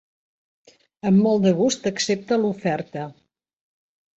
Amb molt de gust accepta l'oferta.